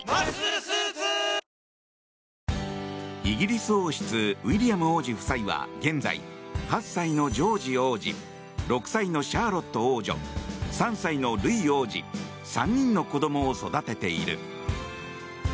イギリス王室ウィリアム王子夫妻は現在８歳のジョージ王子６歳のシャーロット王女３歳のルイ王子３人の子供を育てている。